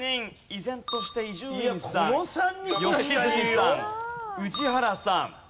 依然として伊集院さん良純さん宇治原さん。